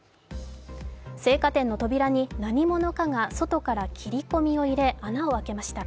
青果店の扉に何者かが外から切り込みを入れ、穴を開けました。